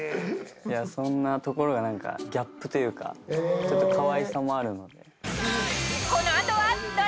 そんなところがギャップというかかわいさもあるので。